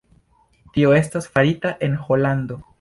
Tio estas farita en Holando.